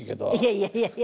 いやいやいや。